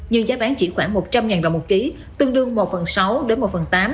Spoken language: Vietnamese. nhưng giá bán chỉ khoảng một trăm linh đồng một ký tương đương một phần sáu đến một phần tám